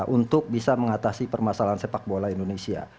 untuk bisa mengatasi permasalahan sepak bola indonesia